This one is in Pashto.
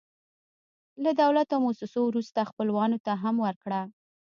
له دولت او موسسو وروسته، خپلوانو ته هم ورکړه.